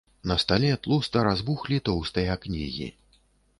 На стале тлуста разбухлі тоўстыя кнігі.